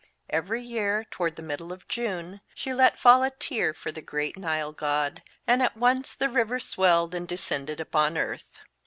Every year, toward the middle of June, she let fall a tear for the great Nile god, and at once the river swelled and descended upon earth.